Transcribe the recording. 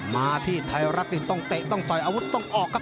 มาที่ไทยรัฐนี่ต้องเตะต้องต่อยอาวุธต้องออกครับ